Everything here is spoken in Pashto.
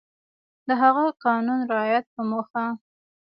د هغه قانون رعایت په موخه